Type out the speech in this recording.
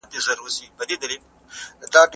هر څوک له هر ځايه له دغو وسيلو ګټه اخيستلی شي.